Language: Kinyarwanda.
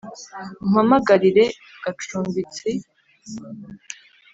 umpamagarire gacumbitsi,